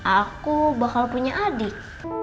aku bakal punya adik